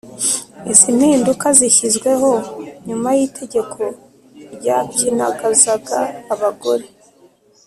Izi mpinduka zishyizweho nyuma y’itegeko ryapyinagazaga abagore